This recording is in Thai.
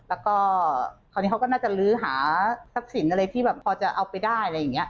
แล้วก็คราวนี้เขาก็น่าจะลื้อหาทรัพย์สินอะไรที่แบบพอจะเอาไปได้อะไรอย่างนี้